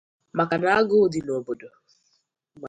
maka na agụụ dị n'obodo.